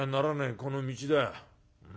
この道だ。